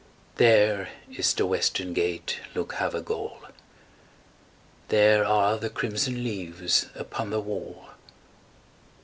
There is the western gate, Luke Havergal, There are the crimson leaves upon the wall.